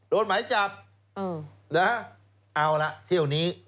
โดนหมายจับเอาละเที่ยวนี้